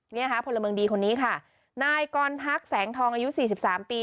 เนี่ยค่ะพลเมืองดีคนนี้ค่ะนายกรทักษแสงทองอายุสี่สิบสามปี